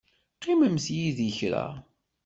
Qqimemt yid-i kra.